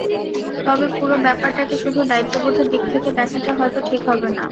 তবে পুরো ব্যাপারটাকে শুধু দায়িত্ববোধের দিক থেকে দেখাটা হয়তো ঠিক হবে না।